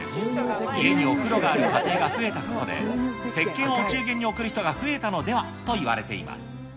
家にお風呂がある家庭が増えたことで、せっけんをお中元に贈る人が増えたのではといわれています。